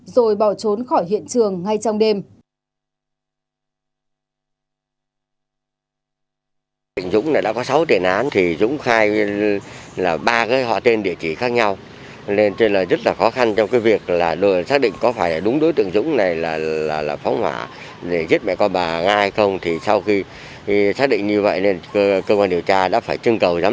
rồi bỏ trốn khỏi hiện trường ngay trong đêm